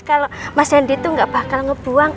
kalo mas randi itu gak bakal ngebuang